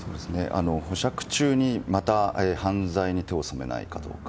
保釈中にまた犯罪に手を染めないかどうか。